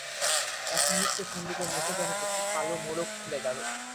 এক মুহূর্তে সন্দীপের মুখের যেন একটা কালো মোড়ক খুলে গেল।